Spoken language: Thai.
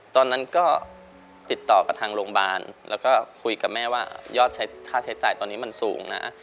ตอนนั้นก็ติดต่อกับทางโรงพยาบาลแล้วก็คุยกับแม่ว่ายอดค่าใช้จ่ายตอนนี้มันสูงนะ